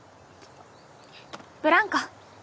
ブランコ。